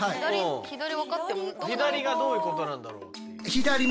左がどういうことなんだろう。